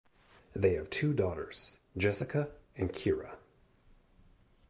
They have two daughters, Jessica and Keira.